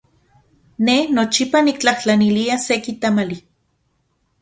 Ne nochipa niktlajtlanilia seki tamali.